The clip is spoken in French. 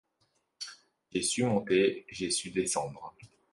J’ai su monter, j’ai su descendre.